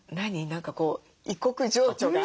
何かこう異国情緒が。